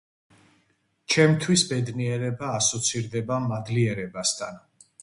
ჩემთვის ბედნიერება ასოცირდება მადლიერებასთან.